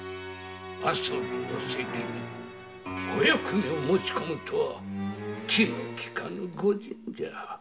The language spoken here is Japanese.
遊びの席にお役目を持ち込む気の利かぬご仁じゃ。